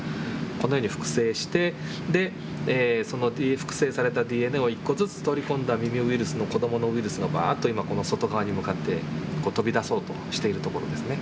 このように複製してその複製されたＤＮＡを１個ずつ取り込んだミミウイルスの子どものウイルスがバッとこの外側に向かってこう飛び出そうとしているところですね。